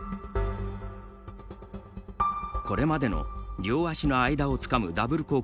これまでの両足の間をつかむダブル